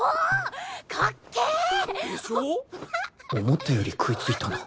思ったより食いついたな